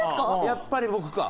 やっぱり僕か。